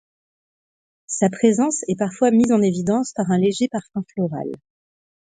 Sa présence est parfois mise en évidence par un léger parfum floral.